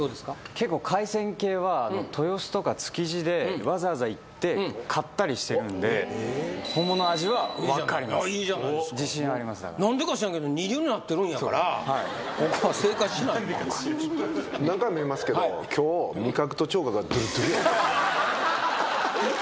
結構海鮮系は豊洲とか築地でわざわざ行って買ったりしてるんでいいじゃないですか自信ありますだからなんでか知らんけど二流になってるんやからここは正解しないと何回も言いますけど今日ははははっ